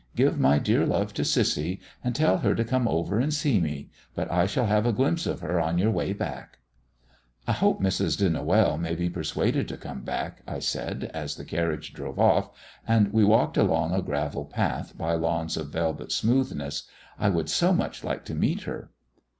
Give my dear love to Cissy, and tell her to come over and see me but I shall have a glimpse of her on your way back." "I hope Mrs. de Noël may be persuaded to come back," I said, as the carriage drove off, and we walked along a gravel path by lawns of velvet smoothness; "I would so much like to meet her."